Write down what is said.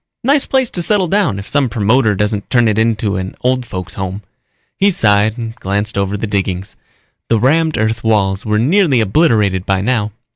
Nice place to settle down if some promoter doesn't turn it into an old folks home._ He sighed and glanced over the diggings. The rammed earth walls were nearly obliterated by now.